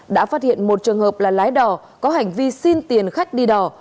đã phát hiện một trường hợp là lái đò có hành vi xin tiền khách đi đò